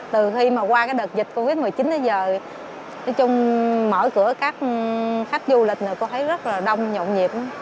từ khi mà qua đợt dịch covid một mươi chín tới giờ mở cửa các khách du lịch cô thấy rất là đông nhộn nhịp